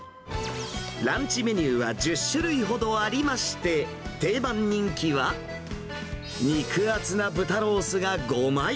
ランチメニューは１０種類ほどありまして、定番人気は、肉厚な豚ロースが５枚。